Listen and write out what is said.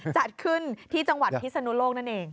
จัดขึ้นที่จังหวัดพิศนุโลกนั่นเอง